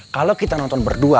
kalau kita nonton berdua